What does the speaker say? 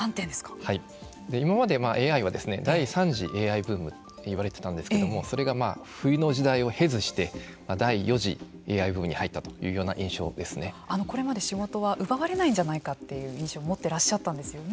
今までＡＩは第３次ＡＩブームと言われていたんですけれどもそれが冬の時代を経ずして第４次ＡＩブームに入ったこれまで仕事は奪われないんじゃないかという印象を持ってらっしゃったんですよね。